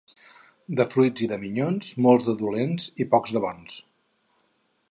De fruits i de minyons, molts de dolents i pocs de bons.